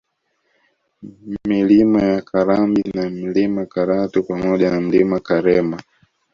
Milima ya Karambi na Mlima Karatu pamoja na Mlima Karema